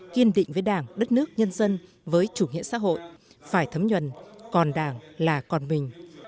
kiên định với đảng đất nước nhân dân với chủ nghĩa xã hội phải thấm nhuần còn đảng là còn mình